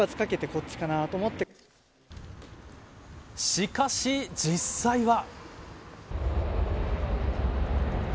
しかし実際は。